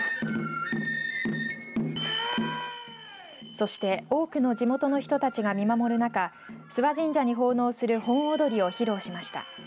そして多くの地元の人たちが見守る中諏訪神社に奉納する本踊を披露しました。